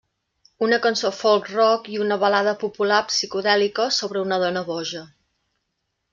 Una cançó folk rock i una balada popular psicodèlica sobre una dona boja.